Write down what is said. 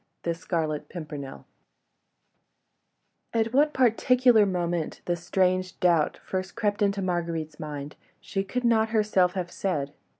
THE SCARLET PIMPERNEL At what particular moment the strange doubt first crept into Marguerite's mind, she could not herself afterwards have said.